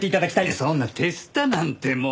そんな手下なんてもう。